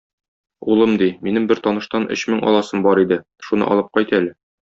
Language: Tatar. Улым, ди, минем бер таныштан өч мең аласым бар иде, шуны алып кайт әле.